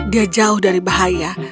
dia jauh dari bahaya